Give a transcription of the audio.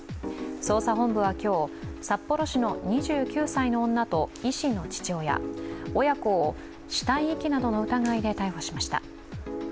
捜査本部は今日、札幌市内の２９歳の女と医師の父親の親子を死体遺棄などの疑いで逮捕しました。